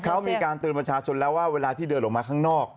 เขามีการเตือนประชาชนแล้วว่าเวลาที่เดินออกมาข้างนอก